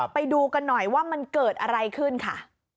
ไปดูกันหน่อยว่ามันเกิดอะไรขึ้นค่ะ